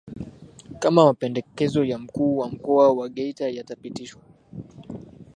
Kama mapendekezo ya mkuu wa mkoa wa Geita yatapitishwa